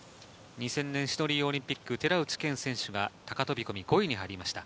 ２０００年シドニーオリンピック、寺内健選手が高飛込５位に入りました。